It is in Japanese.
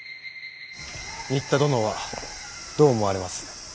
仁田殿はどう思われます。